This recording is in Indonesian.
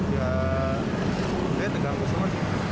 ya ya terganggu semua